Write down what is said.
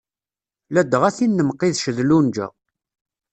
Ladɣa tin n Mqidec d lunja.